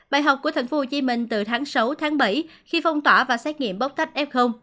bài học của tp hcm từ tháng sáu tháng bảy khi phong tỏa và xét nghiệm bóc tách f